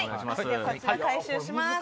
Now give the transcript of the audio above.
こちら回収します。